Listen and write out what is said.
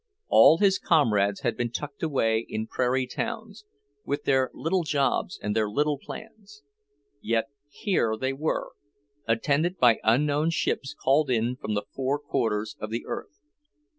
All his comrades had been tucked away in prairie towns, with their little jobs and their little plans. Yet here they were, attended by unknown ships called in from the four quarters of the earth.